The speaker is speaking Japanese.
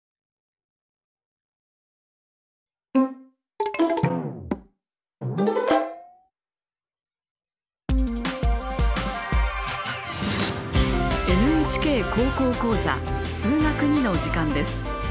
「ＮＨＫ高校講座数学Ⅱ」の時間です。